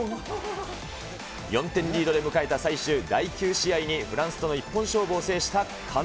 ４点リードで迎えた最終第９試合に、フランスとの一本勝負を制した加納。